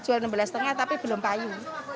empat belas lima jual enam belas lima tapi belum payu